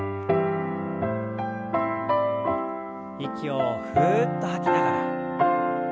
息をふっと吐きながら。